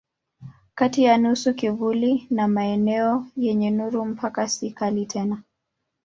Kati ya nusu kivuli na maeneo yenye nuru mpaka si kali tena.